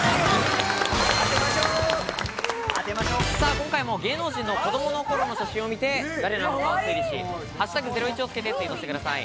今回も芸能人の子供の頃の写真を見て誰なのかを推理し、「＃ゼロイチ」をつけてツイートしてください。